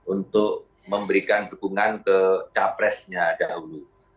untuk memberikan dukungan ke capresnya dahulu